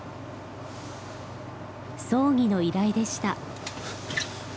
葬儀の依頼でした。